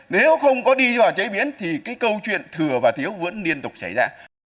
nếu không có đi vào chế biến thì cái câu chuyện thừa và thiếu vẫn liên tục xảy ra